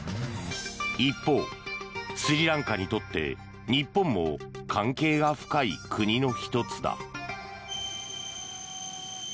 一方、スリランカにとって日本も関係が深い国の１つだ。